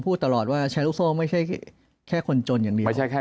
พูดตลอดว่าแชร์ลูกโซ่ไม่ใช่แค่คนจนอย่างนี้ไม่ใช่แค่